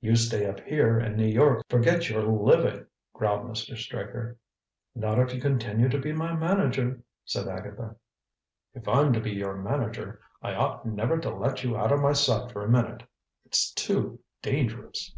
"You stay up here and New York'll forget you're living!" growled Mr. Straker. "Not if you continue to be my manager," said Agatha. "If I'm to be your manager, I ought never to let you out of my sight for a minute. It's too dangerous."